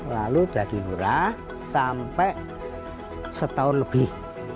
lalu jadi lurah sampai setahun lebih